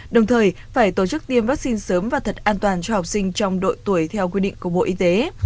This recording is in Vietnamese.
đồng thời phải tổ chức tiêm vaccine sớm và thật an toàn cho học sinh trong độ tuổi theo quy định của bộ y tế